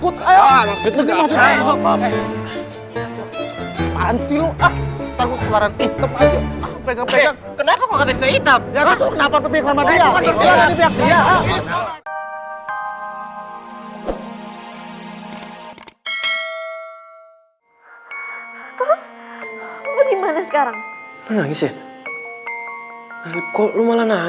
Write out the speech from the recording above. terus sekarang lu dimana